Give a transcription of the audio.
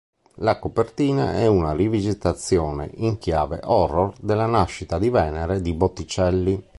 La copertina è una rivisitazione in chiave horror della Nascita di Venere di Botticelli.